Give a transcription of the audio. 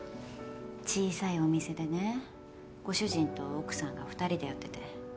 小さいお店でねご主人と奥さんが２人でやってて。